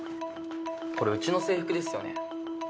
これうちの制服ですよね？